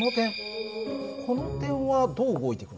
この点はどう動いていくのかな？